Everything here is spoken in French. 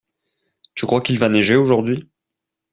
Tu crois qu'il va neiger aujourd'hui?